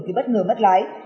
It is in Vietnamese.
thì bất ngờ mất lái